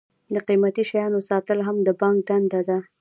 د قیمتي شیانو ساتل هم د بانک دنده ده.